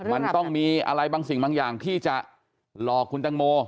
มันต้องมีอะไรบางสิ่งบางอย่างที่จะหลอกคุณตังโม